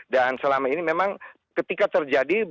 dan selama ini memang ketika terjadi ini